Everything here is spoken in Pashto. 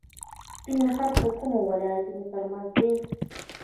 سپین غر د کومو ولایتونو ترمنځ دی؟